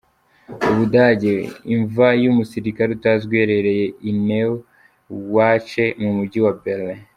U Budage : Imva y’Umusirikare utazwi iherereye i Neue Wache, mu mujyi wa Berlin.